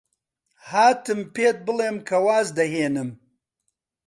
هاتم پێت بڵێم کە واز دەهێنم.